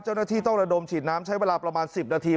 เจ้าหน้าที่ต้องระดมฉีดน้ำใช้เวลาประมาณ๑๐นาที